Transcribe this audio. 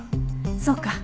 そうか。